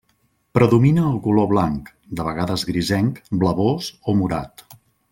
Predomina el color blanc, de vegades grisenc, blavós o morat.